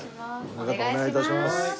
親方お願い致します。